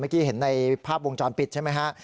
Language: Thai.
เมื่อกี้เห็นในภาพวงจรปิดใช่ไหมฮะ